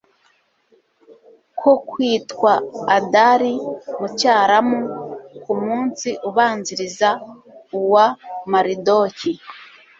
ko kwitwa adari mu cyaramu, ku munsi ubanziriza uwa maridoki